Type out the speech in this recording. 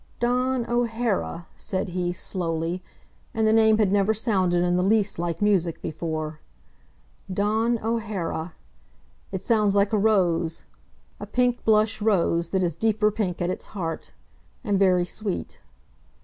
"Dawn O'Hara," said he, slowly, and the name had never sounded in the least like music before, "Dawn O'Hara. It sounds like a rose a pink blush rose that is deeper pink at its heart, and very sweet."